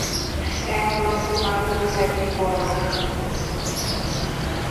এখন তোমার কবিতাটি বলো।